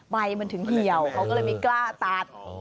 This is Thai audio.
ใบมันถึงเหี่ยวเขาก็เลยไม่กล้าตัด